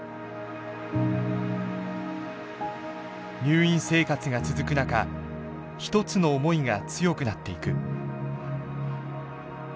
入院生活が続く中一つの思いが強くなっていく。